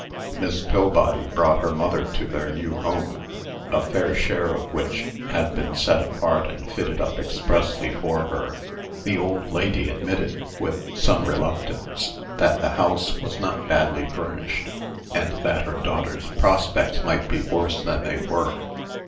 Miss Pillbody brought her mother to their new home, a fair share of which had been set apart and fitted up expressly for her. The old lady admitted, with some reluctance, that the house was not badly furnished, and that her daughter's prospects might be worse than they were.